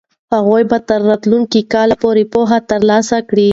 هغوی به تر راتلونکي کاله پورې پوهه ترلاسه کړي.